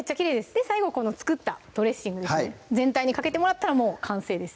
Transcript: で最後この作ったドレッシング全体にかけてもらったら完成です